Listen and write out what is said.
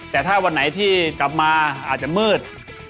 แต่ถ้าวันไหนที่กลับมาอาจจะมืด